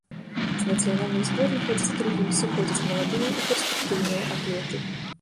З нацыянальных зборных адзін за другім сыходзяць маладыя і перспектыўныя атлеты.